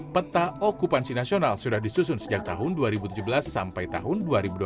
peta okupansi nasional sudah disusun sejak tahun dua ribu tujuh belas sampai tahun dua ribu dua puluh